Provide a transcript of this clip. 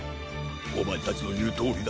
おまえたちのいうとおりだ。